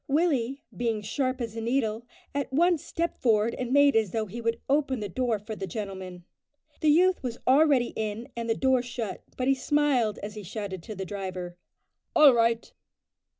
Willie, being sharp as a needle, at once stepped forward and made as though he would open the door for the gentleman. The youth was already in and the door shut, but he smiled as he shouted to the driver, "All right!"